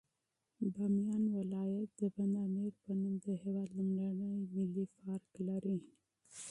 بامیان ولایت د بند امیر په نوم د هېواد لومړنی ملي پارک لري.